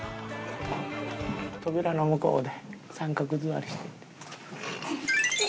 扉の向こうで三角座りしてって。